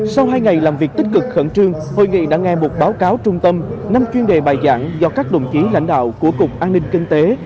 sau hai ngày làm việc tích cực khẩn trương hội nghị đã nghe một báo cáo trung tâm năm chuyên đề bài giảng do các đồng chí lãnh đạo của cục an ninh kinh tế